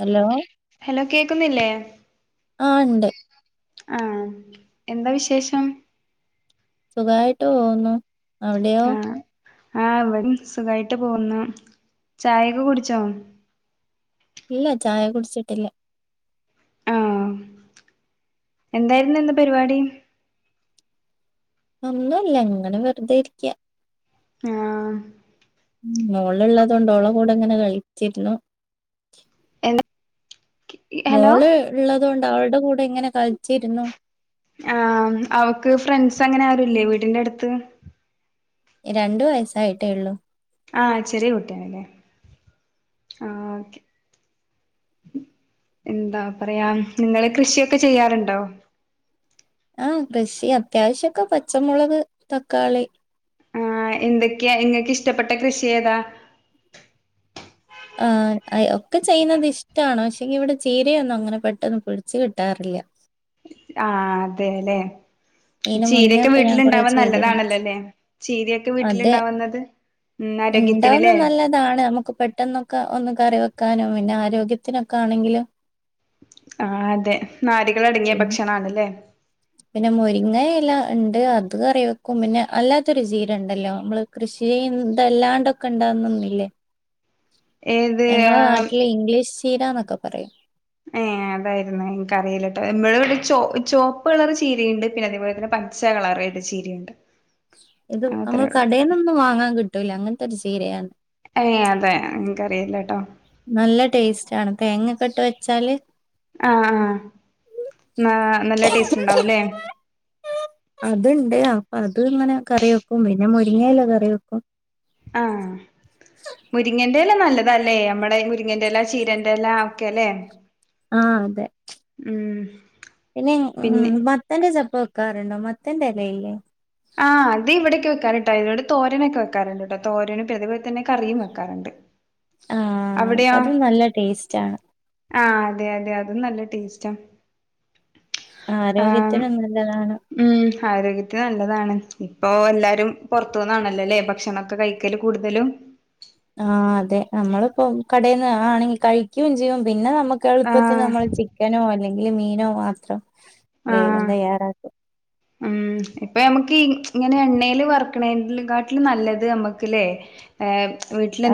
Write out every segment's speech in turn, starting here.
Hello hello കേക്കുന്നില്ലേ ആ ഉണ്ട് ആഹ എന്താ വിശേഷം സുഖായിട്ട് പോകുന്നു അവിടെയോ ആഹ ഇവിടെ സുഖായിട്ട് പോന്ന ചായയൊക്കെ കുടിച്ചോ ഇല്ല ചായ കുടിച്ചിട്ടില്ലേ ആഹ എന്തായിരുന്നു എന്ത് പരിപാടി അന്നല്ല ഇങ്ങനെ വെറുതെ ഇരിക്ക ആഹ് ഉ മഓള്ള്ളത കൊണ്ട് ഓള കൂടെ ഇങ്ങനെ കഴിച്ചിരുന്നു എന്ത ഹലോ മോള് ഉള്ളത് കൊൊണ്ട് അവളടെ കൂടെ എങ്ങനെ കളിച്ചിരുന്നു ആഹ അവക്ക് ഫ്രണ്ട്സ് അങ്ങനെ ആരുല്ലേ വീടിന്റെ അടുത്ത് രണ്ടു വയസായിട്ടേ ഉള്ളൂ ആഹ ചെറിയ കുട്ടിയണല്ലേ ആ ഓക്കെ എന്താ പറിയാ നിങ്ങള് കൃഷിയൊക്കെ ചെയ്യാറ്ണ്ടോ ആഹ് കൃഷി അത്യാവശ്യൊക്കെ പച്ചമൊളക് തക്കാളി ആഹ് എന്തെക്ക്യെ ഇങ്ങക്ക് ഇഷ്ടപ്പെട്ട കൃഷിയേതാ ആഹ് അയ് ഒക്കെ ചെയ്യുന്നത് ഇഷ്ടാണ് പക്ഷേങ്കി ഇവടെ ചീരയൊന്നും അങ്ങനെ പെട്ടന്ന് പിടിച്ച് കിട്ടാറ്ല്ല ആഹ് അതേലെ ഇതിനു മുന്നേ ചീരയൊക്കെ ഒക്കെ ഞാൻ വീട്ടില് കുറെ ഇണ്ടാവാ ചെയ്തിരുന്നു നല്ലതാണല്ലോല്ലെ ചീരയൊക്കെ വീട്ടില് ഇണ്ടാവുന്നത് ഇണ്ടാവുന്നെ നല്ലതാണ് നമുക്ക് പെട്ടെന്നൊക്കെ ഒന്ന് കറി വെ ക്കാനും പിന്നെ ആരോഗ്യത്തിനൊക്കാണെങ്കിലും ആഹ് അതെ നാര്കളടങ്ങിയ പിന്നെ ഭക്ഷണാണ്ല്ലേ പിന്നെ മുരിങ്ങ ഇല ഇണ്ട് അത് കറി വെക്കും പിന്നെ അല്ലാത്തൊരു ചീരണ്ടല്ലോ ഇമ്മള് കൃഷ് [unintelligible] ഇതെല്ലാണ്ടൊക്ക ഇണ്ടാവുന്നൊന്നില്ലേ ഏത് ഞങ്ങളെ ആഹ് നാട്ടില് ഇംഗ്ലീഷ് ചീരാന്നൊക്ക പറിയും ഏഹ് അതായിരുന്നെ ഇന്ക്കറീലട്ടോ നമ്മളവടെ ചോ ചോപ്പളർ ചീരയിണ്ട് പിന്നെ അതേപോലെ തന്നെ പ ച്ച കളറെയ്ത് ചീരയുണ്ട് ഇത് അമ്മൾ അത്രേ ഉള്ളൂ കടേന്നൊന്നും വാങ്ങാ കിട്ടൂല്ല അങ്ങത്തൊര് ചീരയാന്ന് ഏഹ് അതെ ഇൻക്കറിയില്ലട്ടോ. നല്ല ടേസ്റ്റ് ആണ്. തേങ്ങക്കെ ഇട്ട് വെച്ചാല് ആഹ് ആഹ് നാ നല്ല ടേസ്റ്റ് ഇണ്ടാവുല്ലേ. അത്ണ്ട് അപ്പൊ അത് ഇങ്ങനെ കറി വെക്കും. പിന്നെ, മുരിങ്ങ ഇല കറി വെക്കും. ആഹ് മുരിങ്ങൻ ന്റേല നല്ലതാല്ലേ അമ്മളെ ഈ മുരിങ്ങന്റെല്ലാ ചീരന്റെല്ല ഒക്കെല്ലേ ആഹ് അതെ, ഉം പിന്നെ ഈ മ് പിന്നെ വത്തന്റെ ചെ ൽപ്പ വെക്കാറ്ണ്ടോ? മത്തന്റെഎല ഇല്ലേ? ആഹ് അത് ഇവിടെക്കെ വെക്കാറ്ട്ടോ അയിനോട് തോരനൊക്കെ വെക്കാറ് ണ്ട്ട്ടോ തോരനും പിന്നെ അത് പോലെ തന്നെ കറിയും വെക്കാറ്ണ്ട്. ആഹ് അത് നല്ല ടേസ്റ്റ് ആണ്. ആഹ് അതെ അതെ അതും നല്ല ടേസ്റ്റാ. ആം ആരോഗ്യത്തിനും നല്ലതാണ് ഉം ആരോഗ്യത്തിന് നല്ലതാണ്. ഇപ്പൊ എല്ലാരും പൊർത്തൂന്നാണെ ല്ലെല്ലേ ഭക്ഷണൊക്കെ കഴിക്കല് കൂടുതലും. ആഹ് അതെ നമ്മള്പ്പോ കടെന്ന് ആണെങ്കി കഴിക്കും ചെയ്യും പിന്നെ നമ്മ മ്മക്ക്‌ എള്പ്പത്തിന് ആഹ് നമ്മള് ചിക്കനോ അല്ലെങ്കി മീനോ മാത്രം. ആഹ് വേറെന്താ [unintelligible] ഉം ഇപ്പ നമ്മക്ക് ഇ ഇങ്ങനെ എണ്ണേൽ വർക്ക്‌ണെലും കാട്ടില് നല്ലത് നമ്മക്ക്ല്ലേ ഏഹ്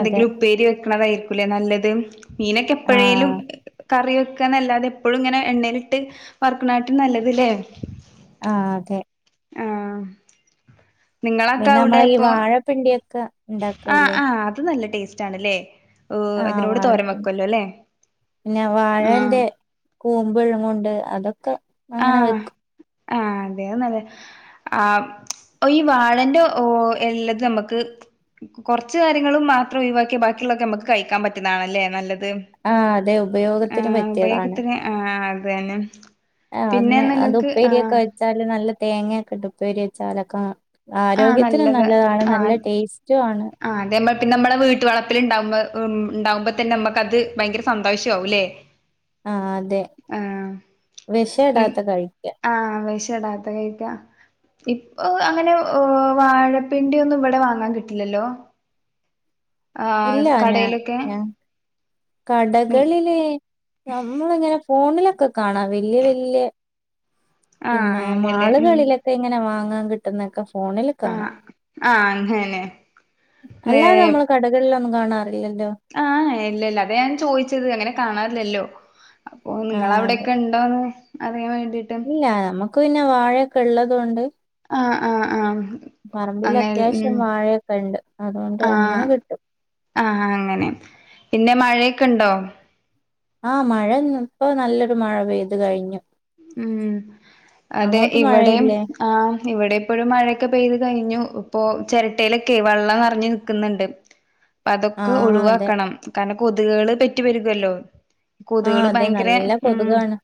അതെ ഉപ്പേരി വെക്കണതായിരിക്കൂല്ലേ നല്ലത്. മീനൊക്കെ എപ്പഴേലും ആഹ് കറി വെ ക്ക്‌നല്ലാതെ എപ്പഴു ഇങ്ങനെ എണ്ണയിലിട്ട് വർക്ക്‌ണാട്ടിൻ നല്ലത് ല്ലേ. ആഹ് അതെ, ആഹ് നിങ്ങളൊക്കെ പിന്നെ അവിടെ അമ്മളെ ഈ ഇപ്പൊ വാഴപ്പിണ്ടിയൊക്കെ ആഹ് ണ്ടാക്കൂല്ലേ. ആഹ് അത് നല്ല ടേസ്റ്റാണ്ല്ലേ. ഓ അതിനോട് തോരൻ വാഴപ്പിണ്ടി വയ്ക്കൊല്ലോ, ല്ലേ. പിന്നെ വാഴന്റെ കൂമ്പ്ളും കൊണ്ട് അതൊക്കെ അങ്ങനെ ആഹ് വെക്കും. ആഹ് വേറെന്നല് ആഹ് ഈ വാഴന്റെ ഓ എല്ലത് നമുക്ക് ക് കൊറച്ച് കാര്യങ്ങളും മാത്രം ഒഴിവാക്കിയ ബാക്കിയുള്ളൊക്കെ നമുക്ക് കഴിക്കാൻ പറ്റുന്നാണല്ലേ നല്ല ത് ആഹ് അതെ ഉപയോഗത്തിന് ആഹ് ഉപയോഗത്തിന് അ്ഹ അത് തന്നെ അ്ഹ പിന്നെ അന്ന് അത് നിങ്ങൾക്ക് ആഹ് ഉപ്പേരിയൊക്കെ വെച്ചാല് നല്ല തേങ്ങൊക്കെ ഇട്ട് ഉപ്പേരി വെച്ചാലൊക്ക ആഹ് നല്ലത് ആഹ് ടേസ്റ്റും ആണ് ആഹ് അതെ പിന്നെ നമ്മള് വീട്ട് വളപ്പിൽ ഉണ്ടകുമ്പോ അ് ഉണ്ടാകുമ്പോ തന്നെ നമുക്ക് അത് ഭയങ്കര സന്തോഷമാവുംല്ലേ. ആഹ് അതെ ആഹ് നി വിഷടാത്ത കഴിക്ക ആഹ് വെ ഇടാത്ത കഴിക്ക ഇപ്പോ അങ്ങനെ പ്പോ വാഴപ്പിണ്ടി ഒന്നും ഇവിടെ വാങ്ങാൻ കിട്ടില്ലല്ലോ. ഇല്ല ആഹ് ഞാൻ കടലൊക്കെ ഞാൻ കടകളില് നമ്മള് ഇങ്ങനെ ഫോണിലൊക്കെ കാണാം വല്യ വല്യ ആഹ് പിന്നെ അങ്ങനെയല്ലേ ഉം മാളുകളിലൊക്കെ ഇങ്ങനെ വാങ്ങാൻ കിട്ടുന്നൊക്കെ ഫോണില് ആഹ് കാണാം. ആഹ് അങ്ങന്നെ അല്ലാതെ നമ്മള് കടകളിലൊന്നും കാണാ ആഹ് ഇല്ലില്ല അത് ഞാൻ ചോദിച്ചത് അങ്ങനെ കാണാറില്ലല്ലോ. അപ്പോ നിങ്ങൾ ആഹ് അതെ അവിടെയൊക്കെ ഉണ്ടോന്ന് അറിയാൻ വേണ് ഇല്ല നമക്ക് പിന്നെ വാഴയൊക്കെ ഉള്ളത് കൊണ്ട് ആഹ് അ്ഹ അ്ഹ പറമ്പില് അത്യാവശ്യം വാഴയൊക്കെ ഉണ്ട് അതുകൊണ്ട് അങ്ങനെ ആഹ് കിട്ടും. ആഹ് അങ്ങനെ പിന്നെ മഴയൊക്കെ ഉണ്ടോ? അ്ഹ മഴ ഇന്ന്പ്പോ നല്ലൊരു മഴ പെയ്തു കഴിഞ്ഞു. ഉം. അതെ അങ്ങോട്ട് ഇവിടെയും മഴയില്ലേ ആ ഇവിടെ ഇപ്പോഴും മഴയൊക്കെ പെയ്ത് കഴിഞ്ഞു. ഓ ചിരട്ടയിലൊക്കെ വെള്ളം നറഞ്ഞു നിക്കുന്നുണ്ട് അപ്പൊ അതൊക്കെ ആഹ് അതെ ഒഴിവാക്കണം കാരണം കൊതുകള് പെറ്റ് പെരുകുമല്ലോ ആഹ് കൊതുകള് അതെ ഭയങ്കര നല്ല ഉം. കൊതുകാണ്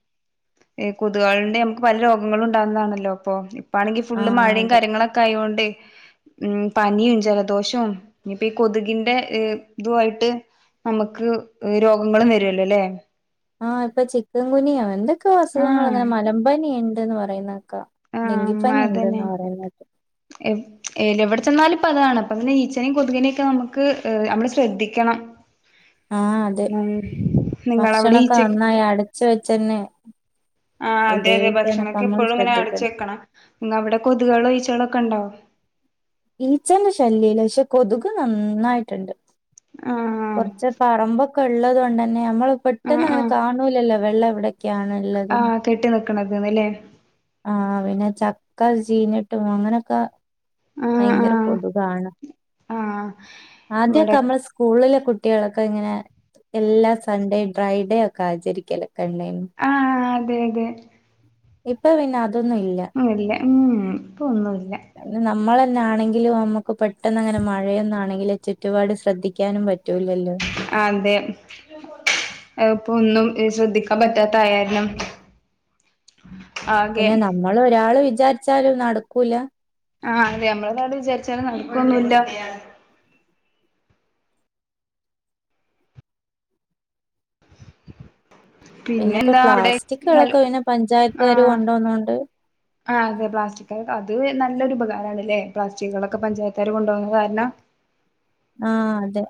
കൊതുകുകളുടെ നമുക്ക് പല രോഗങ്ങളും ഉണ്ടാവുന്നാതാണല്ലോ അപ്പോ ഇപ്പാണെങ്കിൽ ഫുള് ആഹ് മഴയും അതെ കാര്യങ്ങളൊക്കെ ആയോണ്ട് ണ്ടേ ഉം പനിയും ജലദോഷവും ഇന്നിപ്പോ ഈ കൊതുകിന്റെ ഇ് ഇതും ആയിട്ട് നമുക്ക് രോഗങ്ങളും വരുല്ലോ ല്ലേ? ആഹ് ഇപ്പൊ ചിക്കൻ കുനിയ എന്തൊക്കെ അസുഖങ്ങൾ ആഹ് അങ്ങനെ മലമ്പനി ഉണ്ടന്ന് പറയുന്നക്കാ ആഹ് അതന്നെ എ ഏ ചെന്നാല് ഇപ്പം അതാണ് അപ്പം ഈച്ചനേയും കൊതുകിനെയൊക്കെ നമുക്ക് നമ്മള് ശ്രദ്ധിക്കണം. ആഹ അതെ ഉം നിങ്ങളവിടെ ഭക്ഷണൊക്കെ ഈച്ചക്ക് നന്നായി അടച്ച് വെച്ച് തന്നെ ആഹ അതെ അതെ ഭക്ഷണണക്കെ എപ്പോഴും ഇങ്ങനെ അടിച്ചു ശ്രദ്ധിക്കണം വെക്കണം എന്നാ അവിടെ കൊതുകൾ ഈച്ചകളൊക്കെ ഉണ്ടോ? ഈച്ചന്റെ ശല്യം ഇല്ല ക്ഷെ കൊതുക് നന്നായിട്ടുണ്ട്. ആഹ് കുറച്ച് പറമ്പൊക്കെ ഉള്ളത് കൊണ്ടന്നെ നമ്മള് പെട്ടെന്ന് ആഹ് അങ്ങനെ ആഹ് കാണൂലല്ലോ വെള്ള ക്കാനുള്ളതെന്ന് കിണക്കുന്ല്ലേ? ആഹ് പിന്നെ ചക്ക ചീനട്ടും അങ്ങനെക്ക ആഹ് ഭയങ്കര ആഹ് കൊതുകാണ് ആഹ് ഇവിടെ ആദ്യക്കെ നമ്മള് സ്കൂളില് കുട്ട് കുട്ടികളൊക്കെ ഇങ്ങനെ എല്ലാ സൺഡേ ഡ്രൈഡേ ഒക്കെ ആചരിക്കല് ഒക്കെ ഇല്ലേ ആഹ് അതെ അതെ. ഇപ്പൊ പിന്നെ അതൊന്നും ഇല്ല ഇല്ല ഉം ഇപ്പൊ ഒന്നുല്ല നമ്മള് ആണെങ്കിലും നമുക്ക് പെട്ടെന്ന് അങ്ങനെ മഴയൊന്നാണെങ്കിലും ചുറ്റുപാട് ശ്രദ്ധിക്കാനും പറ്റൂല്ലല്ലോ. അതേ. അഹ് ഇപ്പൊ ഒന്നും ഏഹ് ശ്രദ്ധിക്കാൻ പറ്റാത്തായാരണം പിന്നെ നമ്മള് ഒരാള് വിചാരിച്ചാല് നടക്കൂല. ആഹ് അതെ, നമ്മള് [unintelligible] വിചാരിച്ചാല് നടക്കൊന്നുല്ല [inaudible] പിന്നെ ഇപ്പ പിന്നെന്താ അവിടെ പ്ലാസ്റ്റിക്ക്‌ളെക്കെ പിന്നെ പഞ്ചായത്താര് ആഹ് കൊണ്ടോന്നോണ്ട് ആഹ് അതെ പ്ലാസ്റ്റിക്ക്‌ അത് ന നല്ലൊരു ഉപകാരണല്ലേ പ്ലാസ്റ്റിക്കുകളൊക്കെ പഞ്ചായത്തുകാര് കൊണ്ടപോകുന്നത് കാരണം ആഹ് അതെ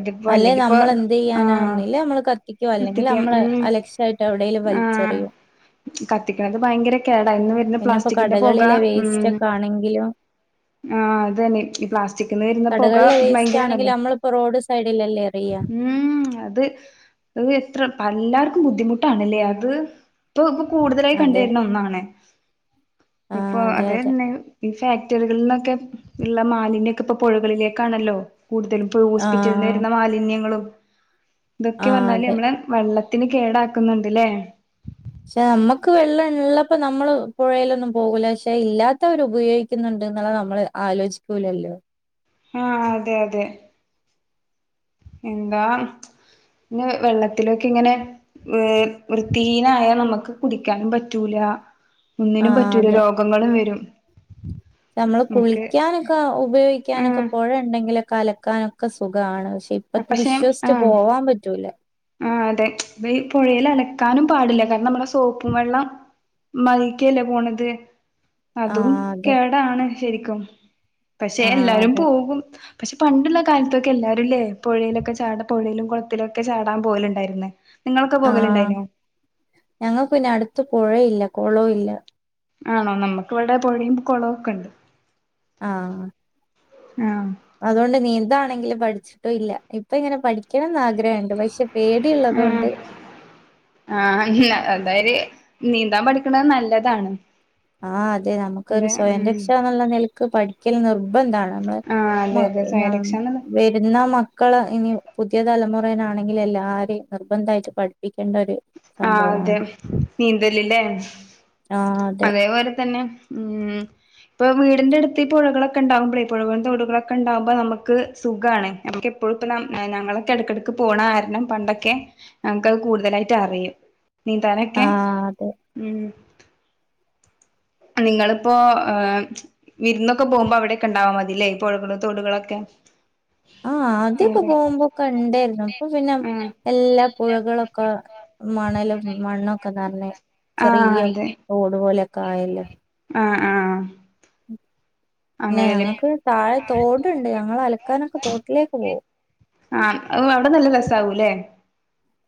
ഇതിപ്പോ അല്ലെ അല്ലെങ്കിപ്പോ നമ്മള് എന്ത് ചെയ്യാനാ ആഹ് ഒന്നെങ്കിൽ നമ്മള് കത്തിക്കും അല്ലെങ്കിൽ കത്തിക്കാൻ നമ്മള് ഉം അലക്ഷ്യായിട്ട് എ വ്ടേലും വലിച്ചെറിയും കത്തിക്ക്ണത് ഭയങ്കര കേടാ അയിന് വരുന്ന പിന്നെപ്പോ പ്ലാസ്റ്റിക്കിന്റെ പൊക കടകളിലെ വേസ്റ്റ് ഉം ഒക്കെ ആണെങ്കിലും ആഹ് അതെന്നെ ഈ പ്ലാസ്റ്റിക് നിന്ന് വരുന്ന പുക കടകളിലെ വേസ്റ്റ് ആണെങ്കിലും ഭയങ്കരാണല്ലോ നമ്മളിപ്പോ റോഡ് സൈഡിലല്ലേ എറിയ ഉം അത് അത് എത്ര പല്ലാർ ക്കും ബുദ്ധിമുട്ടാണല്ലേ അത് ഇപ്പൊ ഇപ്പൊ കൂടുതലായി കണ്ട് അതെ വരുന്ന ഒന്നാണ് ആ ഇപ്പൊ അതെ അതെ അതെന്നെ ഈ ഫാക്ടറികളിൽന്നൊക്കെ ഉള്ള മാലിന്യക്കെ ഇപ്പൊ പുഴകളിലേക്കാണല്ലോ കൂടുതലും ആ ഹോസ്പിറ്റലിൽ നിന്ന് വരുന്ന മാലിന്യങ്ങളും ആ ഇതൊക്കെ പറഞ്ഞാല് അതെ ഞമ്മളെ വെള്ളത്തിന് കേടാക്കുന്നുണ്ട്ല്ലേ പക്ഷെ നമ്മുക്ക് വെള്ളം ഉള്ളപ്പോ നമ്മള് പുഴയിലൊന്നും പോകൂല പക്ഷെ ഇല്ലാത്തവരു ഉപയോഗിക്കുന്നു ണ്ട് ന്ല്ലത്‌ നമ്മള് ആലോചിക്കൂലല്ലോ ആഹ അതെ അതെ എന്താ പിന്നെ വെള്ളത്തിലൊക്കെ ഇങ്ങനെ ഏ വൃത്തിഹീനായാൽ നമുക്ക് കുടിക്കാനും പറ്റൂല ആ ഒന്നിനും പറ്റൂല അതെ രോഗങ്ങൾ വരും നമ്മള് നമുക്ക് കുളിക്കാനൊക്കെ ഉപയോഗിക്കാനൊക്കെ ആഹ് പുഴുണ്ടെങ്കിൽ അലക്കാനൊക്കെ സുഗാണ് പക്ഷെ ഇപ്പ വിശ്വസിച്ചു പോവാൻ പറ്റൂല ആ അതെ ഇത് ഈ പുഴല് അലക്കാനും പാടില്ല കാരണം നമ്മളെ സോപ്പും വെള്ളം [inaudible] പോണത് ആ അതും അതെ കേടാണ് ശരിക്കും. പക്ഷെ ആ എല്ലാരും അതെ പോകും പക്ഷെ പണ്ടുള്ള കാലത്തൊക്കെ എല്ലാരുംല്ലേ പുഴയിലൊക്കെ ചാട പുഴയിലും കുളത്തിലൊക്കെ ചാ ടാൻ പോലുണ്ടായിന്ന ആഹ ഞങ്ങൾക്ക് പിന്നെ അടുത്ത പുഴയില്ല കുളവും ഇല്ല ആണോ നമ്മുക്ക് ഇവിടെ പുഴയും കുളമൊക്കെ ഉണ്ട് ആ ആഹ അതുകൊണ്ട് നീന്താണെങ്കിലും പഠിച്ചിട്ടും ഇല്ല ഇപ്പ ഇങ്ങനെ പഠിക്കണം ആഗ്ര ഗ്രഹണ്ട് പക്ഷെ ആഹ് പേടിയുള്ളതൊണ്ട് അതായര് നീന്താൻ പഠിക്കണ നല്ലതാണ് ആ അതെ നമുക്കൊരു അതെ സ്വയം ഉം രക്ഷ എന്നുള്ള നിലക്ക് പഠി ക്കൽ നിർബന്ധമാണ് നമ്മള് ആഹ് അതെ അതെ മം സ്വയരക്ഷ എന്നുള്ളത് വരുന്ന മക്കള് ഇനി പുതിയ തലമുറനാണെങ്കിൽ എല്ലാരെയും നിർബന്ധമായിട്ട് പഠിപ്പിക്കേണ്ട ഒരു ആ അതെ സംഭവാണ് നീന്തല് ലേ ആഹ് അതെ അതേപോലെ തന്നെ ഉമ് ഇപ്പൊ വീടിന്റെ അടുത്ത് പുഴകളൊക്കെ ഉണ്ടകുമ്പോഴേഈ പുഴകളിന്റെ വടുകളൊക്കെ ഉണ്ടാകുമ്പോ നമുക്ക് സുഖമാണ് ഞമ്മക്ക് അപ്പോഴ ഇപ്പോ ഞങ്ങളൊക്കെ ഇടക്കിടക്ക് പോണ കാരണം പണ്ടൊക്കെ ഞങ്ങക്ക്ത് കൂടുതലായിട്ട് അറിയും നന്താനൊക്ക ആഹ് അതെ നിങ്ങളിപ്പോ വിരുന്നൊക്കെ പോകുമ്പോ അവിടെക്കെ ഉണ്ടാവാ മതില്ലേ പുഴകളും തോടുകളൊക്കെ ആഹ ആദ്യൊക്കെ അങ്ങനെ പോവുമ്പോക്ക കണ്ടായിരുന്നു. ഇപ്പൊ പിന്നെ ആഹ് എല്ലാ പുഴകളൊക്കെ മണലും മണ്ണൊക്കെ നിറഞ് ആഹ് ചെറിയ തോട് പോലൊക്കെ ആയല്ലോ ആഹ ആഹ പിന്നെ ഞങ്ങക്ക് താഴെ തോടുണ്ട് ഞങ്ങൾ അലക്കാനൊക്കെ തോട്ടിലേക്ക് പോകും ആഹ അവിടെ നല്ല രസാകൂല്ലെ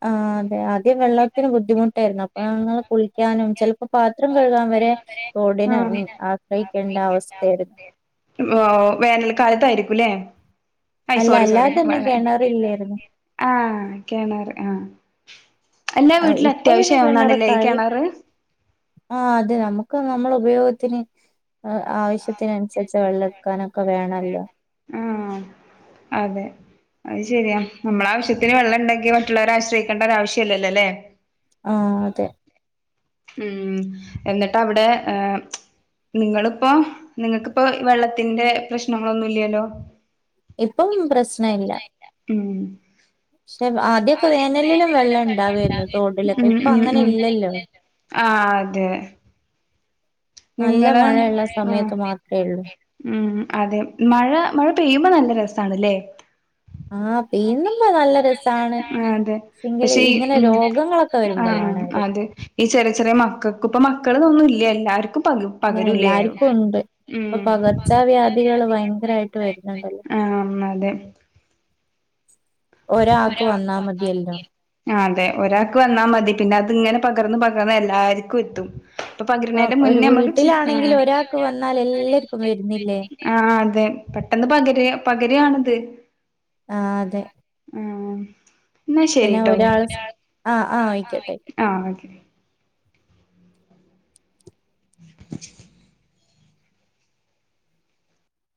ആ അതെ അ ദ്യം വെള്ളത്തിന് ബുദ്ധിമുട്ടായിരുന്നു അപ്പൊ ഞങ്ങൾ കുളിക്കാനും ചിലപ്പോ പാത്രം കഴുകാൻ വരെ തോടിന ഉ ആഹ് ആശ്രയിക്കേണ്ട അവസ്ഥയായിരുന്നു വേനൽക്കാലത്തായിരിക്കും അയ് അല്ല സോറി സോറി അല്ലാതെ തന്നെ കിണറില്ലായിരുന്നു. ആഹ കെണറ് ആഹ ഇപ്പൊ പിന്നെ കിണറക്കായി കിണറ് ആ അത് നമുക്ക് നമ്മൾ ഉപയോഗത്തിന് ആവശ്യത്തിനനുസരിച്ച് വെള്ളെടുക്കാനൊക്കെ വേണല്ലോ ആഹ് അതെ അത് ശരിയാ നമ്മളെ ആവശ്യത്തിന് വെള്ളം ഉണ്ടെങ്കി മറ്റുള്ളവരെ ആശ്രയിക്കേണ്ട ഒരാവശ്യല്ലല്ലോ ല്ലേ ആ അതെ ഉം എന്നിട്ട് അവിടെ ഏ നിങ്ങളിപ്പോ നിങ്ങക്കിപ്പോ വെള്ളത്തിന്റെ പ്രശ്നങ്ങളൊന്നും ഇല്ലല്ലോ ഇപ്പം പ്രശ്നം ഇല്ല പക്ഷെ ആദ്യൊക്കെ ആദ്യപ്പോ വേനലിലും വെള്ളം ഉണ്ടാവായിരുന്നു തോടിലൊക്കെ ഇപ്പൊ ഇണ്ടാവരുന്നു അങ്ങനെ ഇല്ലല്ലോ ആ അതെ നല്ല നിങ്ങള് മഴയുള്ള സമയത്ത് മാത്രേ ഉള്ളൂ. ഉം അതെ മഴ മഴ പെയ്യുമ്പോ നല്ല രസാണല്ലേ ആ പന്ന്പ നല്ല രസാണ് ആഹ് അതെ പക്ഷെങ്കില് പക്ഷെ ഈ ഇങ്ങനെ രോഗങ്ങളൊക്കെ വരുമ്പോൾ ഉം അതെ ഈ ചെറിയ ചെറിയ മക്കൾക്ക് ഇപ്പ മക്കൾന്നുംല്ല എല്ലാർക്കും പക പകരൂലേ എല്ലാർക്കും ഉണ്ട് അപ്പൊ ഉം പകർച്ച വ്യാധികള് ഭയങ്കരായിട്ട് വരുന്നുണ്ടല്ലോ ആഹ് അതെ ഒരാൾക്ക് വന്നാ മതിയല്ലോ ആ അതെ ഒരാൾക്ക് വന്നാ മതി പിന്നെ അത് ഇങ്ങനെ പകർന്ന് പകർന്ന് എല്ലാർക്കും എത്തും അപ്പൊ ഇപ്പം പകിരണേന്റെ ഒരു മുന്നേ നമ്മുക്ക് വീട്ടിലാണെങ്കിൽ ഒരാൾക്ക് വന്നാൽ എല്ലാർക്കും വരുന്നില്ലേ? ആ അതെ പെട്ടെന്ന് പകര പകരയാണിത് ആ അതെ ആ എന്നാ ശരി പിന്നെ കേട്ടോ ഒരാള് സ് ആഹ് ആഹ് ആയിക്കോട്ടെ. ആ [inaudible]